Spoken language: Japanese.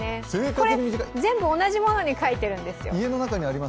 全部同じものに描いているんですよ。